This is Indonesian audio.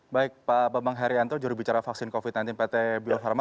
baik pak bambang herianto jurubicara vaksin covid sembilan belas pt bio farma